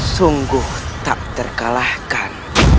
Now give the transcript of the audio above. sungguh tak terkalahkan